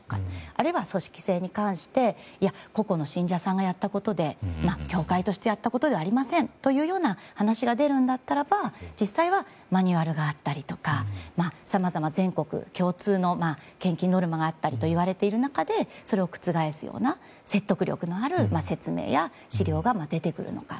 あるいは、組織性に関して個々の信者さんがやったことで教会としてやったことではありませんというような話が出るんだったら実際はマニュアルがあったりとかさまざま全国共通の献金のノルマがあったりと言われている中でそれを覆すような説得力のある説明や資料が出てくるのか。